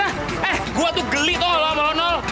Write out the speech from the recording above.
eh gue tuh geli toh sama lo nol